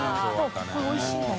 ここおいしいんだよ。